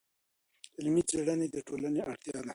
علمي څېړنې د ټولنې اړتیا ده.